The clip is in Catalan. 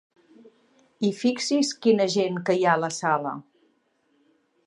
I fixi's quina gent que hi ha a la sala!